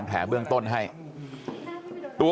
บอกแล้วบอกแล้วบอกแล้ว